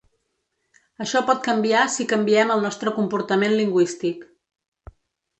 Això pot canviar si canviem el nostre comportament lingüístic.